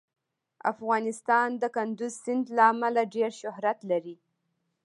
افغانستان د کندز سیند له امله ډېر شهرت لري.